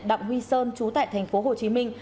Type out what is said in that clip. đặng huy sơn trú tại thành phố hồ chí minh